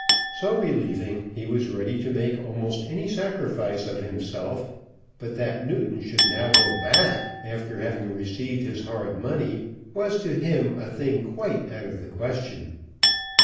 So believing, he was ready to make almost any sacrifice of himself; but that Newton should now go back, after having received his hard money, was to him a thing quite out of the question.